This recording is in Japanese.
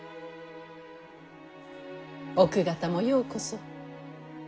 奥方もようこそ。